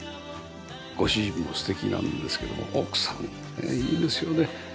ご主人も素敵なんですけども奥さんいいですよね。